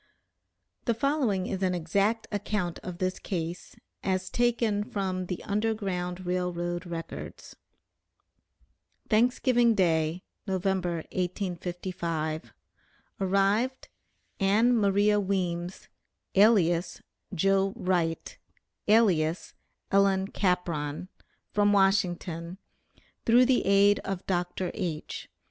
The following is an exact account of this case, as taken from the Underground Rail Road records: "THANKSGIVING DAY, Nov., 1855. Arrived, Ann Maria Weems, alias 'Joe Wright,' alias 'Ellen Capron,' from Washington, through the aid of Dr. H.